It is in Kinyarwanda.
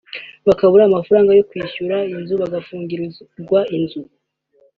bakabura amafaranga yo kwishura inzu bagafungirwa inzu